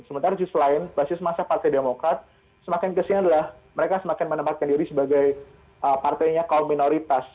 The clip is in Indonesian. sementara selain basis masa partai demokrat semakin kesini adalah mereka semakin menempatkan diri sebagai partainya kaum minoritas